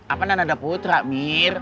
apa nanada putra mir